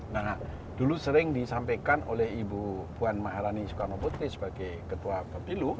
nah dulu sering disampaikan oleh ibu puan maharani soekarno putri sebagai ketua pepilu ya